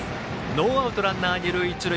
ノーアウト、ランナー、一塁二塁。